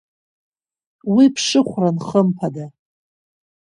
Уи ԥшыхәран, хымԥада.